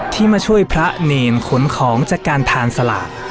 ที่มาช่วยพระเนรขนของจากการทานสลาก